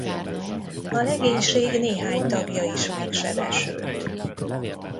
A legénység néhány tagja is megsebesült.